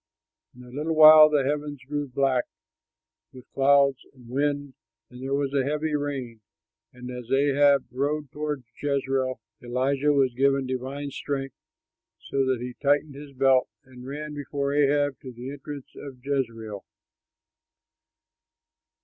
'" In a little while the heavens grew black with clouds and wind, and there was a heavy rain. And as Ahab rode toward Jezreel, Elijah was given divine strength, so that he tightened his belt and ran before Ahab to the entrance to Jezreel.